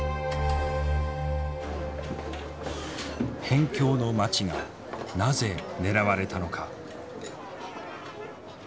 辺境の町がなぜ狙われたのか。